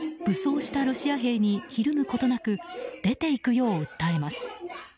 武装したロシア兵にひるむことなく出ていくよう訴えます。